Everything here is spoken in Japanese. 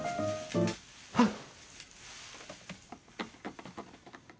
はっ？